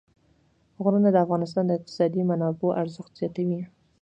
غرونه د افغانستان د اقتصادي منابعو ارزښت زیاتوي.